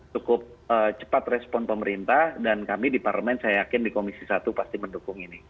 cukup cepat respon pemerintah dan kami di parlemen saya yakin di komisi satu pasti mendukung ini